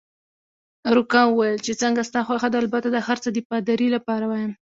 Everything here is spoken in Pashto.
روکا وویل: چې څنګه ستا خوښه ده، البته دا هرڅه د پادري لپاره وایم.